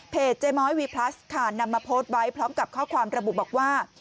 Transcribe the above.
เจม้อยวีพลัสค่ะนำมาโพสต์ไว้พร้อมกับข้อความระบุบอกว่า